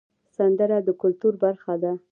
سندره د کلتور برخه ده